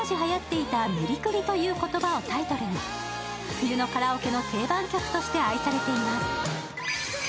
冬のカラオケの定番曲として愛されています。